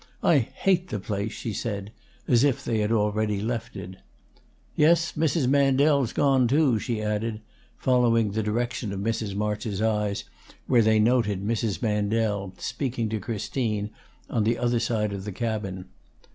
I hate the place!" she said, as if they had already left it. "Yes, Mrs. Mandel's goun', too," she added, following the direction of Mrs. March's eyes where they noted Mrs. Mandel, speaking to Christine on the other side of the cabin.